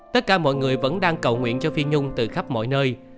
tất cả mọi người vẫn đang cầu nguyện cho phi nhung từ khắp mọi nơi